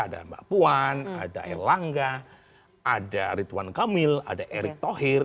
ada mbak puan ada el langga ada ridwan kamil ada erik thohir